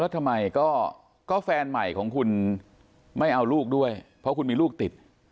ทำไมก็แฟนใหม่ของคุณไม่เอาลูกด้วยเพราะคุณมีลูกติด